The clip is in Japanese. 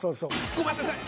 ごめんなさい。